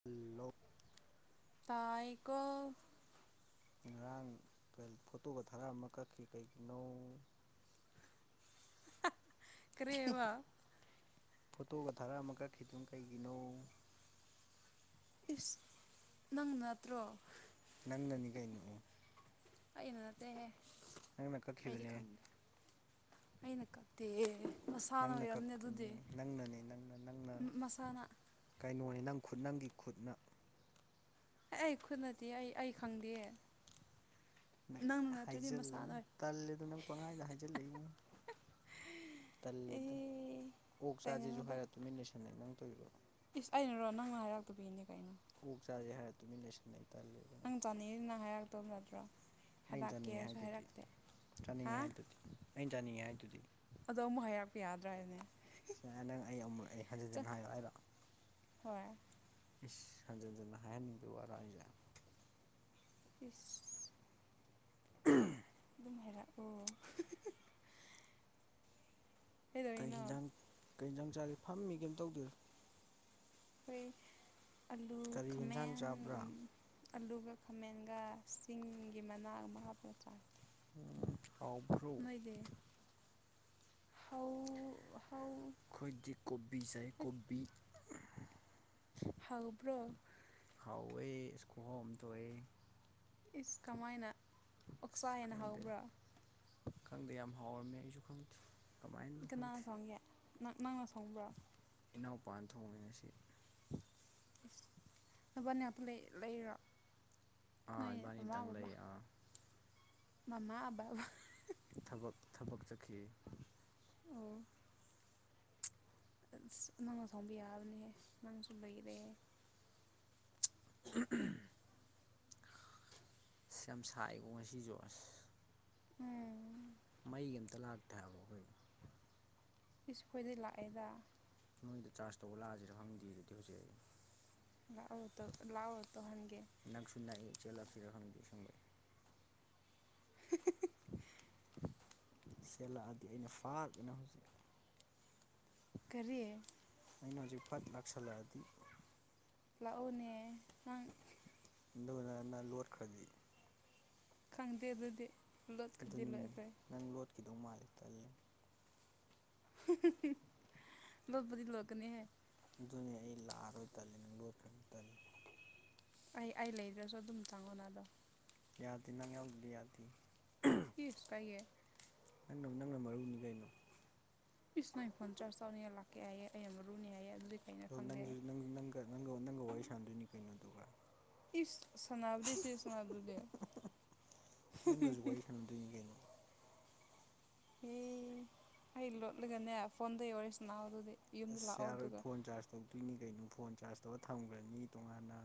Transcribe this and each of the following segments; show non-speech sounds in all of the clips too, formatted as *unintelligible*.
*unintelligible* ꯇꯥꯏꯀꯣ ꯉꯔꯥꯡ ꯐꯣꯇꯣꯒ ꯊꯥꯔꯛ ꯑꯃ ꯀꯛꯈꯤ ꯀꯩꯒꯤꯅꯣ ꯀꯔꯤꯕꯥ ꯐꯣꯇꯣꯒ ꯊꯥꯔ ꯑꯃ ꯀꯛꯈꯤꯗꯨꯅ ꯀꯩꯒꯤꯅꯣ ꯏꯁ ꯅꯪꯅ ꯅꯠꯇ꯭ꯔꯣ ꯅꯪꯅꯅꯤ ꯀꯩꯅꯣ ꯏ ꯑꯩꯅ ꯅꯠꯇꯦꯍꯦ ꯅꯪꯅ ꯑꯩꯗꯤ ꯀꯛꯈꯤꯕꯅꯦ ꯈꯪꯗꯦ ꯑꯩꯅ ꯀꯛꯇꯦ ꯃꯁꯥꯅ ꯅꯪꯅ ꯑꯣꯏꯔꯝꯅꯦ ꯀꯛꯄꯅꯦ ꯑꯗꯨꯗꯤ ꯅꯪꯅꯅꯦ ꯅꯪꯅ ꯅꯪꯅ ꯃꯁꯥꯅ ꯀꯩꯅꯣꯅꯦ ꯅꯪ ꯈꯨꯠ ꯅꯪꯒꯤ ꯈꯨꯠꯅ ꯑꯩ ꯈꯨꯠꯅꯗꯤ ꯑꯩ ꯑꯩ ꯈꯪꯗꯤꯌꯦ ꯍꯥꯏꯖꯤꯜꯂꯨ ꯑꯣꯏ ꯇꯜꯂꯦꯗ ꯅꯪ ꯄꯪꯍꯥꯏꯗ ꯍꯥꯏꯖꯤꯜꯂꯛꯏ ꯇꯜꯂꯦꯗ ꯑꯦ ꯑꯣꯛ ꯆꯥꯁꯤꯁꯨ ꯇꯥꯏꯅꯅꯨꯗ ꯍꯥꯏꯔ ꯇꯨꯃꯤꯟ ꯂꯩꯁꯟꯅꯩ ꯅꯪ ꯇꯧꯔꯤꯕ ꯏꯁ ꯑꯩꯅꯔꯣ ꯅꯪꯅ ꯍꯥꯏꯔꯥꯛꯇꯕꯩꯅꯦ ꯀꯩꯅꯣ ꯑꯣꯛ ꯆꯥꯥꯁꯦ ꯍꯥꯏꯔ ꯇꯨꯃꯤꯟ ꯂꯩꯁꯟꯅꯩ ꯇꯜꯂꯦ꯫ ꯄꯅꯤꯔꯅ ꯍꯥꯏꯔꯛꯇꯧ ꯅꯠꯇ꯭ꯔꯣ ꯑꯩꯅ ꯆꯥꯅꯤꯡꯉꯦ ꯍꯥꯏꯔꯛꯀꯦꯁꯨ ꯍꯥꯏꯗꯨꯗꯤ ꯍꯥꯏꯔꯛꯇꯦ ꯆꯥꯅꯤꯡꯉꯦ ꯍꯥ ꯍꯥꯏꯗꯨꯗꯤ ꯑꯩꯅ ꯆꯥꯅꯤꯡꯉꯦ ꯍꯥꯏꯗꯨꯗꯤ ꯑꯗꯣ ꯑꯃꯨꯛ ꯍꯥꯏꯔꯥꯛꯄ ꯌꯥꯗ꯭ꯔꯥ ꯍꯥꯏꯅꯦ *unintelligible* ꯅꯪ ꯑꯩ ꯑꯃꯨꯛ ꯑꯩ ꯍꯟꯖꯤꯟ ꯍꯟꯖꯤꯟ ꯍꯥꯏꯌꯣ ꯍꯥꯏꯔꯣ ꯍꯣꯏ ꯏꯁ ꯍꯟꯖꯟꯖꯟꯅ ꯍꯥꯏꯍꯟꯅꯤꯡꯕ ꯋꯥꯔ ꯍꯥꯏꯁꯦ ꯄꯤꯁ ꯎꯝ ꯃꯦꯔꯥꯛꯑꯣ ꯀꯩ ꯍꯤꯟꯖꯥꯡ ꯀꯩ ꯌꯦꯟꯖꯥꯡ ꯆꯥꯒꯦ ꯐꯝꯃꯤ ꯀꯩꯝ ꯇꯧꯗꯦ ꯐꯦ ꯀꯔꯤ ꯍꯤꯟꯁꯥꯡ ꯆꯥꯕ꯭ꯔꯥ ꯑꯂꯨꯒ ꯈꯥꯃꯦꯟꯒ ꯆꯁꯤꯡꯒꯤꯒꯤ ꯃꯅꯥ ꯑꯃ ꯍꯥꯞꯄ ꯆꯥꯏ ꯍꯥꯎꯕ꯭ꯔꯣ ꯅꯣꯏꯗꯤ ꯍꯧ ꯍꯧ ꯑꯩꯈꯣꯏꯗꯤ ꯀꯣꯕꯤ ꯆꯥꯏ ꯀꯣꯕꯤ ꯍꯥꯎꯕ꯭ꯔꯣ ꯍꯥꯎꯋꯦ ꯏꯁ ꯈꯨꯍꯥꯎ ꯑꯃ ꯇꯧꯑꯦ ꯏꯁ ꯀꯃꯥꯏꯅ ꯑꯁ ꯑꯣꯛꯆꯥ ꯍꯦꯅ ꯈꯪꯗꯦ ꯍꯧꯕ꯭ꯔꯥ ꯈꯪꯗꯦ ꯌꯥꯝ ꯍꯥꯎꯔꯝꯃꯦ ꯑꯩꯁꯨꯈꯪ ꯀꯅꯥꯅ ꯁꯣꯡꯒꯦ ꯅꯪ ꯅꯪꯅ ꯁꯣꯡꯕ꯭ꯔꯣ ꯏꯅꯥꯎꯄꯥꯥꯟ ꯊꯣꯡꯉꯦ ꯉꯥꯁꯤ ꯅꯕꯅꯦ ꯑꯄꯨ ꯂꯩ ꯂꯩꯔꯣ ꯑꯥ ꯅꯣꯏ ꯃꯃꯥ ꯏꯕꯥꯅꯤꯇꯪ ꯕꯕꯥ ꯂꯩ ꯑꯥ ꯃꯃꯥ ꯑꯕꯥꯕ ꯊꯕꯛ ꯊꯕꯛ ꯆꯠꯈꯤ ꯑꯣ ꯑꯁ ꯅꯪꯅꯁꯣꯡꯕ ꯌꯥꯕꯅꯦꯍꯦ ꯅꯪꯁꯨ ꯂꯩꯔꯦ ꯎꯝ ꯎꯝ ꯏꯁ ꯌꯥꯝ ꯁꯥꯏꯀꯣ ꯉꯁꯤ ꯖꯣ ꯑꯁ ꯎꯝ ꯐꯤ ꯑꯃꯝꯇ ꯂꯥꯛꯇꯦ ꯍꯥꯏꯕ ꯑꯩꯈꯣꯏ ꯏꯁ ꯈꯣꯏꯗꯩ ꯂꯥꯛꯑꯦꯗ ꯅꯣꯏꯗ ꯆꯥꯔꯖ ꯇꯧꯕ ꯂꯥꯛꯑꯁꯤꯔ ꯍꯪꯗꯦ ꯑꯗꯨꯗꯤ ꯍꯧꯖꯤꯛ ꯑꯩ ꯑꯧ ꯇꯧ ꯂꯥꯛꯑꯣ ꯇꯧꯍꯟꯒꯦ ꯅꯛꯁꯨ ꯅꯛꯏ ꯆꯦꯜꯂꯛ ꯁꯤꯔꯥ ꯍꯪꯗꯦ ꯁꯪꯕꯏ *inaudible* ꯁꯦꯜꯂꯛꯑꯗꯤ ꯑꯩꯅꯥ ꯐꯥꯛ ꯑꯩꯅꯥ ꯍꯧꯖꯤꯛ ꯀꯔꯤ ꯑꯩꯅ ꯍꯧꯖꯤꯛ ꯐꯠ ꯂꯥꯛꯁꯜꯂꯛꯑꯗꯤ ꯂꯥꯛꯑꯣꯅꯦ ꯅꯪ ꯑꯗꯨꯒꯅꯅ ꯂꯣꯠꯈ꯭ꯔꯗꯤ ꯈꯪꯗꯦ ꯑꯗꯨꯗꯤ ꯂꯣꯠꯀꯗꯤ ꯑꯗꯨꯅꯤ ꯂꯣꯠꯈ꯭ꯔꯦ ꯅꯪ ꯂꯣꯠꯈꯤꯗꯧ ꯃꯥꯜꯂꯦ ꯇꯜꯂꯦ ꯂꯣꯠꯄꯗꯤ ꯂꯣꯠꯀꯥꯅꯤ ꯍꯥꯏ ꯑꯗꯨꯅꯦ ꯑꯩ ꯂꯥꯛꯑꯔꯣꯏ ꯇꯜꯂꯦ ꯅꯪ ꯂꯣꯏꯈ꯭ꯔꯅꯤ ꯇꯂꯤ ꯑꯩ ꯑꯩ ꯂꯩꯗ꯭ꯔꯁꯨ ꯑꯗꯨꯝ ꯆꯪꯉꯣꯅꯗꯣ ꯌꯥꯗꯦ ꯅꯪ ꯌꯥꯎꯗꯗꯤ ꯌꯥꯗꯦ *unintelligible* ꯀꯩꯌꯦ ꯅꯪꯅ ꯅꯪꯅ ꯃꯔꯨꯅꯤ ꯀꯩꯅꯣ ꯏꯁ ꯃꯥꯏ ꯐꯣꯟ ꯆꯔꯖ ꯇꯧꯅꯤꯌꯦ ꯂꯥꯛꯀꯦ ꯍꯥꯏꯌꯦ ꯑꯩ ꯌꯥꯝ ꯃꯔꯨꯅꯤ ꯍꯥꯏꯌꯦ ꯑꯗꯨꯗꯤ ꯀꯩꯅꯣ ꯑꯗꯣ ꯈꯪꯗꯦ ꯅꯪꯁꯨ ꯅꯪ ꯅꯪꯒ ꯅꯪꯒ ꯋꯥꯔꯤ ꯁꯥꯟꯅꯗꯣꯏꯅꯤ ꯀꯩꯅꯣꯗꯨꯒ ꯏꯁ ꯁꯅꯥꯕꯗꯤꯁꯦ ꯁꯅꯥꯕꯗꯨꯗꯦ ꯑꯗꯨꯅꯤ ꯀꯩꯅꯣ ꯍꯦ ꯑꯩ ꯂꯣꯠꯂꯒꯅꯦ ꯐꯣꯟꯗꯩ ꯋꯥꯔꯤ ꯁꯅꯧ ꯑꯗꯨꯗꯤ ꯌꯨꯝꯗ ꯑꯁ ꯂꯥꯛꯑꯣ ꯌꯥꯔꯣꯏ ꯑꯗꯨꯒ ꯐꯣꯟ ꯆꯥꯔꯖ ꯇꯧꯗꯣꯏꯅꯤ ꯀꯩꯅꯣ ꯐꯣꯟ ꯆꯥꯔꯖ ꯇꯧꯔ ꯊꯝꯈ꯭ꯔꯅꯤ ꯇꯣꯉꯥꯟꯅ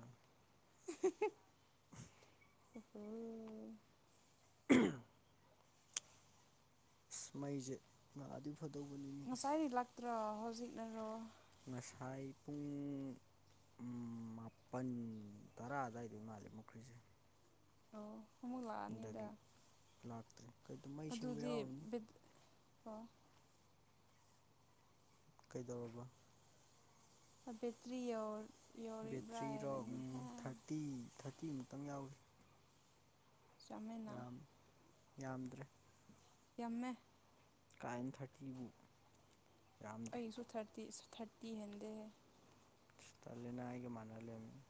*unintelligible* *unintelligible* ꯑꯁ ꯃꯩꯖꯩ ꯂꯥꯛꯑꯗꯤ ꯐꯗꯧꯕꯅꯤ ꯉꯁꯥꯏꯗꯤ ꯂꯛꯇ꯭ꯔꯣ ꯍꯧꯖꯤꯛꯅꯔꯣ ꯉꯁꯥꯏ ꯄꯨꯡ ꯃꯥꯄꯜ ꯇꯔꯥ ꯑꯗꯨꯋꯥꯏꯗ ꯃꯥꯜꯂꯦ ꯃꯨꯈ꯭ꯔꯤꯖꯤ ꯑꯣ ꯑꯃꯨꯛ ꯂꯥꯛꯑꯅꯤꯗ ꯂꯥꯛꯇ꯭ꯔꯦ ꯀꯩꯗ ꯃꯩ ꯁꯦꯝꯦꯡꯕ ꯑꯗꯨꯗꯤ ꯌꯥꯎꯔꯝꯅꯤ ꯕꯦꯠ ꯑꯣ ꯀꯩꯗꯧꯔꯕ ꯑꯕꯦꯇ꯭ꯔꯤ ꯌꯣ ꯌꯣ ꯕꯦꯇ꯭ꯔꯤ ꯔꯣ ꯎꯝ ꯊꯥꯔꯇꯤ ꯊꯥꯔꯇꯤ ꯑꯃꯨꯛꯇꯪ ꯌꯥꯎꯔꯤ ꯆꯃꯦꯅꯥ ꯌꯥꯝ ꯌꯥꯝꯗ꯭ꯔꯦ ꯌꯥꯝꯃꯦ ꯀꯥꯏꯟ ꯊꯥꯔꯇꯤꯕꯨ ꯌꯥꯝꯗꯦ ꯑꯩꯁꯨ ꯊꯥꯔꯇꯤ ꯊꯥꯔꯇꯤ ꯍꯦꯟꯗꯦꯅꯦ ꯇꯜꯂꯦꯅ ꯑꯩꯒ ꯃꯥꯟꯅ ꯂꯩꯔꯝꯃꯤ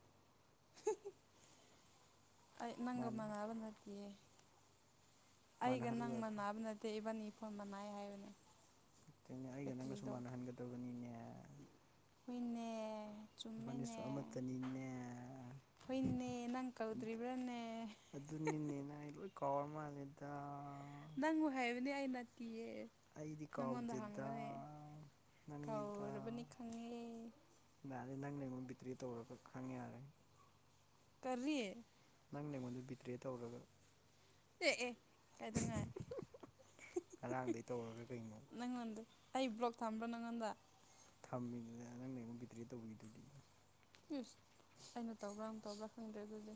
ꯑꯩ ꯅꯪꯒ ꯃꯥꯅꯤ ꯃꯥꯟꯅꯕ ꯅꯠꯇꯤꯌꯦ ꯑꯩꯒ ꯃꯥꯟꯅꯍꯜꯂꯨ ꯅꯪ ꯌꯥꯗ꯭ꯔꯣ ꯃꯟꯅꯕ ꯅꯠꯇꯦ ꯏꯕꯥꯟ ꯅꯤ ꯐꯣꯟ ꯃꯅꯩ ꯍꯥꯏꯕꯅꯦ ꯀꯩꯅꯣ ꯑꯩꯒ ꯅꯪꯒꯁꯨ ꯕꯦꯇ꯭ꯔꯤꯗꯣ ꯃꯥꯟꯅꯍꯟꯒꯗꯕꯅꯤꯅꯦ ꯍꯨꯏꯅꯦ ꯏꯕꯅꯤꯁꯨ ꯆꯨꯝꯃꯤꯅꯦ ꯑꯃꯠꯇꯅꯤꯅꯦ ꯍꯣꯏꯅꯦ ꯅꯪ ꯀꯧꯗ꯭ꯔꯤꯕ꯭ꯔꯥꯅꯦ *unintelligible* ꯀꯥꯎꯔ ꯃꯟꯅꯦꯗ ꯅꯪꯕꯨ ꯍꯥꯏꯕꯅꯦ ꯑꯩꯩ ꯅꯠꯇꯤꯌꯦ ꯑꯩꯗꯤ ꯅꯪꯉꯣꯟꯗ ꯀꯥꯎꯗꯦꯗ ꯍꯪꯕꯅꯦ ꯅꯪꯅꯤꯗ ꯀꯥꯎꯔꯕꯅꯤ ꯈꯪꯉꯦ ꯌꯥꯔꯦ ꯅꯪꯅ ꯑꯩꯉꯣꯟ ꯕꯤꯛꯇ꯭ꯔꯤ ꯇꯧꯔꯒ ꯈꯪꯉꯦ ꯌꯥꯔꯦ ꯀꯔꯤ ꯅꯪ ꯅꯩꯉꯣꯟꯗ ꯕꯤꯇ꯭ꯔꯦ ꯇꯧꯔꯒ ꯑꯦ ꯑꯦ ꯀꯥꯏꯗꯧꯉꯥꯏ ꯉꯔꯥꯡꯗꯩ ꯇꯧꯔꯒ ꯀꯩꯅꯣ ꯅꯪꯉꯣꯟꯗ ꯑꯩ ꯕ꯭ꯂꯣꯛ ꯊꯝꯕ꯭ꯔꯥ ꯅꯪꯉꯣꯟꯗ ꯊꯝꯃꯤꯅꯤꯅ ꯅꯪꯅ ꯑꯩꯉꯣꯟ ꯕꯤꯗ꯭ꯔꯦ ꯇꯧꯔꯤꯗꯨꯗꯤ ꯏꯁ ꯑꯩꯅ ꯇꯧꯕ꯭ꯔꯥ ꯅꯪ ꯇꯧꯕ꯭ꯔꯥ ꯈꯪꯗ꯭ꯔꯦ ꯑꯗꯨꯗꯤ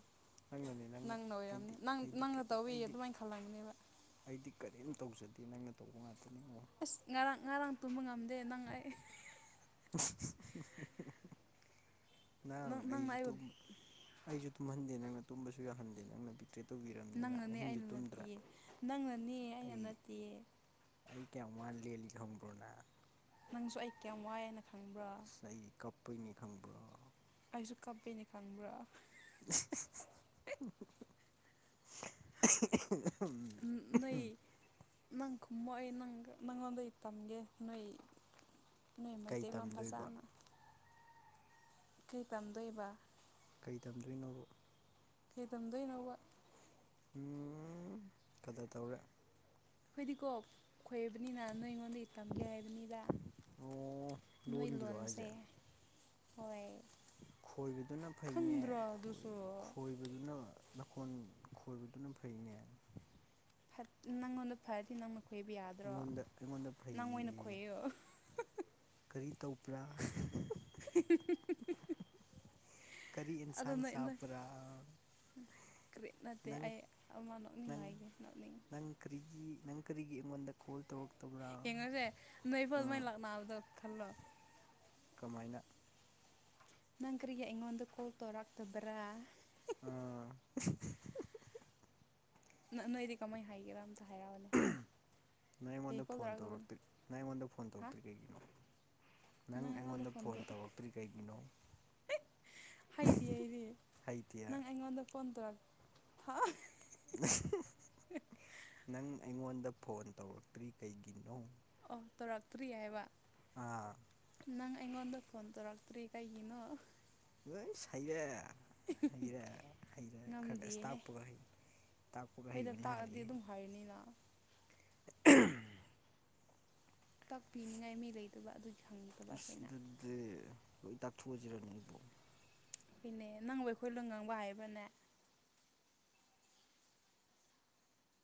ꯅꯪꯅꯅꯦ ꯅꯪꯅ ꯑꯣꯏꯔꯝꯅꯤ ꯑꯩꯗꯤ ꯅꯪ ꯑꯩꯗꯤ ꯅꯪꯅ ꯇꯧꯌꯤ ꯑꯩꯗꯤ ꯑꯗꯨꯃꯥꯏꯅ ꯈꯜꯂꯝꯒꯅꯤꯕ ꯑꯩꯗꯤ ꯀꯔꯤꯝ ꯇꯧꯖꯗꯦ ꯅꯪꯅ ꯇꯧꯕ ꯉꯥꯛꯇꯅꯤꯉꯣ ꯑꯁ ꯉꯔꯥꯡ ꯉꯔꯥꯡ ꯇꯨꯝꯕ ꯉꯝꯗꯦ ꯅꯪ ꯑꯩ ꯅꯪ ꯑꯩ ꯅꯪꯅ ꯇꯨꯝ ꯑꯩꯕꯨ ꯑꯩꯁꯨ ꯇꯨꯝꯍꯟꯗꯦ ꯅꯪꯅ ꯇꯨꯝꯕꯁꯨ ꯌꯥꯍꯟꯗꯦ ꯅꯪꯅ ꯄꯤꯛꯇꯦ ꯅꯪꯅꯅꯤ ꯑꯩꯅ ꯅꯠꯇꯦꯌꯦ ꯅꯪꯅꯅꯤ ꯑꯩꯅ ꯑꯩ ꯅꯠꯇꯦꯌꯦ ꯑꯩ ꯀꯌꯥꯝ ꯋꯥꯅ ꯂꯦꯜꯂꯤ ꯈꯪꯕ꯭ꯔꯣ ꯅꯪ ꯅꯪꯁꯨ ꯑꯩ ꯀꯌꯥꯝ ꯋꯥꯏꯑꯅ ꯈꯪꯕ꯭ꯔꯥ ꯉꯁꯥꯏ ꯑꯩ ꯀꯞꯄꯨꯏꯅꯤ ꯈꯪꯕ꯭ꯔꯣ ꯑꯩꯁꯨ ꯀꯞꯄꯤꯅꯤ ꯈꯪꯕ꯭ꯔꯥ *unintelligible* ꯎꯝ ꯅꯣꯏ ꯅꯪ ꯈꯨꯝꯃꯣ ꯑꯩ ꯅꯪ ꯅꯪꯉꯣꯟꯗꯩ ꯇꯝꯒꯦ ꯅꯣꯏ ꯅꯣꯏ ꯀꯩ ꯃꯩꯇꯩꯂꯣꯟ ꯇꯝꯗꯣꯏꯕ ꯐꯖꯅ ꯀꯩ ꯇꯝꯗꯣꯏꯕ ꯀꯩ ꯇꯝꯗꯣꯏꯅꯣꯕ ꯍꯦ ꯇꯝꯗꯣꯏꯅꯣꯕ ꯎꯝ ꯀꯗꯔ ꯇꯧꯔꯦ ꯑꯩꯈꯣꯏꯗꯤꯀꯣ ꯈꯣꯏꯕꯅꯤꯅ ꯅꯣꯏ ꯑꯩꯉꯣꯟꯗꯒꯤ ꯇꯝꯒꯦ ꯍꯥꯏꯕꯅꯤꯗ ꯑꯣ ꯅꯣꯏ ꯂꯣꯟꯒꯤꯔꯣ ꯂꯣꯟꯁꯦ ꯍꯥꯏꯁꯦ ꯍꯣꯏ ꯈꯣꯏꯕꯗꯨꯅ ꯐꯩꯅꯦ ꯈꯪꯗ꯭ꯔꯣ ꯈꯣꯏ ꯑꯗꯨꯁꯨ ꯈꯣꯏ ꯈꯣꯏꯕꯗꯨꯅ ꯅꯥꯈꯣꯟ ꯈꯣꯏꯕꯗꯨꯅ ꯐꯩꯅꯦ ꯐꯠ ꯅꯪꯉꯣꯟꯗ ꯐꯔꯗꯤ ꯅꯪꯅ ꯈꯣꯏꯕ ꯌꯥꯗ꯭ꯔꯣ ꯑꯩꯉꯣꯟꯗ ꯑꯩꯉꯣꯟꯗ ꯅꯪ ꯑꯣꯏꯅ ꯐꯩ ꯈꯣꯏꯌꯨ ꯑꯍꯥꯍꯥꯍꯥ ꯀꯔꯤ ꯇꯧꯕ꯭ꯔꯥ ꯑꯍꯥꯍꯥ ꯎ *unintelligible* ꯀꯔꯤ ꯑꯗꯣ ꯏꯟꯁꯥꯡ ꯅꯣꯏ ꯅꯣꯏ ꯆꯄꯔꯥ ꯅꯠꯇ ꯑꯩ ꯑꯃ ꯅꯪ ꯅꯣꯛꯅꯤꯡꯉꯥꯏꯒꯤ ꯅꯣꯛꯅꯤꯡ ꯅꯪ ꯀꯔꯤꯒꯤ ꯅꯪ ꯀꯔꯤꯒꯤ ꯑꯩꯉꯣꯟꯗ ꯀꯣꯜ ꯇꯧꯔꯛꯇꯕ꯭ꯔꯥ ꯌꯦꯡꯉꯁꯦ ꯅꯣꯏ ꯐꯥꯎ ꯑꯗꯨꯃꯥꯏ ꯎꯝ ꯂꯥꯛꯅꯕꯅꯕꯗꯣ ꯈꯜꯂꯣ ꯀꯃꯥꯏꯅ ꯅꯪ ꯀꯔꯤꯒꯤ ꯑꯩꯉꯣꯟꯗ ꯀꯣꯜ ꯇꯧꯔꯛꯇꯕ꯭ꯔꯥ ꯑꯥ *unintelligible* ꯅꯪ ꯅꯣꯏꯗꯤ ꯀꯃꯥꯏꯅ ꯍꯥꯏꯒꯦꯔꯥ ꯑꯝꯇ ꯍꯥꯏꯔꯛꯑꯣꯅꯦ ꯅꯪ ꯀꯩ ꯑꯩꯉꯣꯟꯗ ꯀꯣꯜ ꯐꯣꯟ ꯇꯧꯔꯛꯇꯕꯅꯣ ꯇꯧꯛꯇ꯭ꯔꯤ ꯅꯪ ꯑꯩꯉꯣꯟꯗ ꯐꯣꯟ ꯍꯥ ꯇꯧꯔꯛꯇ꯭ꯔꯤ ꯀꯩꯒꯤꯅꯣ ꯅꯪ ꯑꯩꯉꯣꯟꯗ ꯐꯣꯟ ꯇꯧꯔꯛꯇ꯭ꯔꯤ ꯀꯩꯒꯤꯅꯣ ꯍꯩꯇꯤꯌꯦ ꯑꯩꯗꯤ ꯍꯩꯇꯤꯌꯥ ꯅꯪ ꯑꯩꯉꯣꯟꯗ ꯐꯣꯟ ꯇꯧꯔꯛ ꯍꯥ ꯑꯍꯤ ꯅꯪ ꯑꯩꯉꯣꯟꯗ ꯐꯣꯟ ꯇꯧꯔꯛꯇ꯭ꯔꯤ ꯀꯩꯒꯤꯅꯣ ꯑꯣ ꯇꯧꯔꯛꯇ꯭ꯔꯤ ꯍꯥꯏꯕ ꯑꯥ ꯅꯪ ꯑꯩꯉꯣꯟꯗ ꯐꯣꯟ ꯇꯧꯔꯛꯇ꯭ꯔꯤ ꯀꯩꯒꯤꯅꯣ ꯂꯣꯏ ꯍꯩꯔꯦ ꯍꯩꯔꯦ ꯍꯩꯔꯦ ꯈꯔ ꯑꯁ ꯉꯝꯗꯤꯌꯦꯍꯦ ꯇꯥꯛꯄꯒ ꯍꯩ ꯇꯥꯛꯄꯒꯍꯩꯕꯅ ꯍꯥꯂꯦ ꯗꯤ ꯑꯗꯨꯝ ꯍꯩꯅꯤꯅ *unintelligible* ꯇꯥꯛꯄꯤꯅꯤꯡꯉꯥꯏ ꯃꯤ ꯂꯩꯇꯕ ꯑꯗꯨꯒꯤ ꯍꯪꯗꯕ ꯏꯁ ꯑꯩꯈꯣꯏꯅ ꯑꯗꯨꯗꯤ ꯂꯣꯏ ꯇꯥꯛꯊꯣꯛꯑꯖꯤꯔꯅꯦ ꯑꯩꯕꯣ ꯍꯩꯅꯦ ꯅꯪꯕ ꯑꯩꯈꯣꯏ ꯂꯣꯟ ꯉꯥꯡꯕ ꯍꯩꯕꯅꯦ